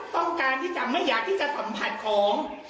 ต้องการที่จะไม่อยากที่จะสัมผัสของ